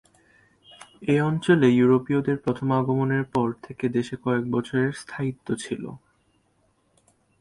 এ অঞ্চলে ইউরোপীয়দের প্রথম আগমনের পর থেকে বেশ কয়েকবছর এর স্থায়িত্ব ছিল।